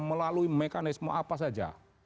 melalui mekanisme apa saja